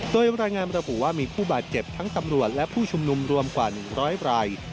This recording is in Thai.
โดยรายงานระบุว่ามีผู้บาดเจ็บทั้งตำรวจและผู้ชุมนุมรวมกว่า๑๐๐ราย